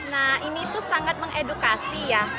nah ini tuh sangat mengedukasi ya